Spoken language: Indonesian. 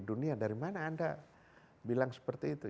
dunia dari mana anda bilang seperti itu